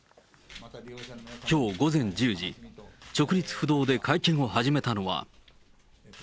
きょう午前１０時、直立不動で会見を始めたのは。